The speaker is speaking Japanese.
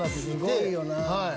すごいよな。